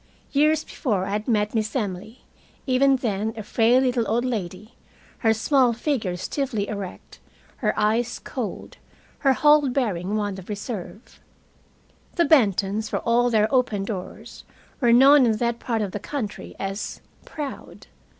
Years before I had met Miss Emily, even then a frail little old lady, her small figure stiffly erect, her eyes cold, her whole bearing one of reserve. The Bentons, for all their open doors, were known in that part of the country as "proud."